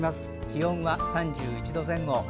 気温は３１度前後。